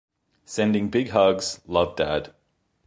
Sending big hugs, love dad.